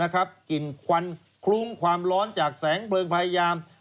กลิ่นควันคลุ้งความร้อนจากแสงเพลิงพยายาม